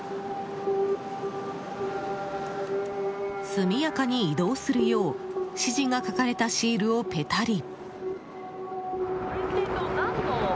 速やかに移動するよう指示が書かれたシールをペタリ。